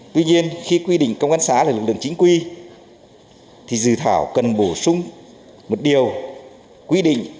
tuy nhiên khi quy định công an xã là lực lượng chính quy thì dự thảo cần bổ sung một điều quy định